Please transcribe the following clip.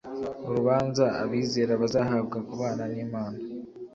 urubanza abizera bazahabwa kubana n imana